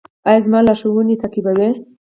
ایا زما لارښوونې تعقیبوئ؟